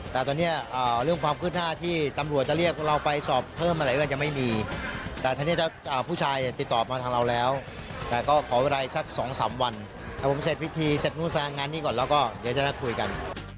แต่ตอนนี้เรื่องความขึ้นหน้าที่ตำรวจจะเรียกเราไปสอบเพิ่มอะไรก็ยังไม่มีแต่ตอนนี้ผู้ชายติดต่อมาทางเราแล้วแต่ก็ขอเวลาสักสองสามวันครับผมเสร็จวิธีเสร็จงานนี้ก่อนแล้วก็เดี๋ยวจะได้คุยกัน